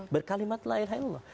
berkalimat la ilaha illallah